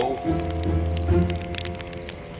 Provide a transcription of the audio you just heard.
oh pangeran darwin dan komandan akan menghukumku